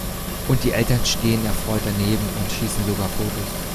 Und die Eltern stehen erfreut daneben und schießen sogar Fotos!